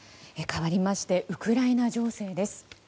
かわりましてウクライナ情勢です。